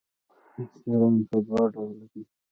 احترام په دوه ډوله دی.